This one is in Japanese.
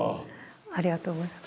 ありがとうございます。